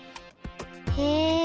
へえ！